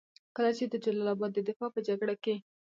کله چې د جلال اباد د دفاع په جګړه کې.